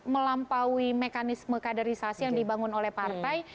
melampaui mekanisme kaderisasi yang dibangun oleh partai